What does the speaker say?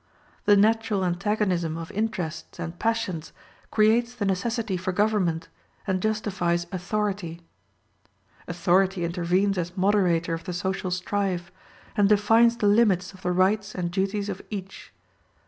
The natural antagonism of interests and passions creates the necessity for government, and justifies authority. Authority intervenes as moderator of the social strife, and defines the limits of the rights and duties of each.